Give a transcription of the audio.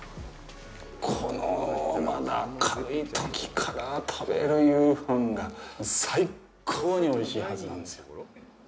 この、まだ明るいときから食べる夕飯が最高においしいはずなんですよ。